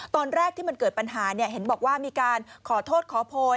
ตอนแรกที่มันเกิดปัญหาเห็นบอกว่ามีการขอโทษขอโพย